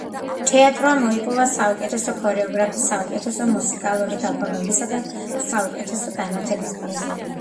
თეატრმა მოიპოვა საუკეთესო ქორეოგრაფის, საუკეთესო მუსიკალური გაფორმებისა და საუკეთესო განათების პრიზები.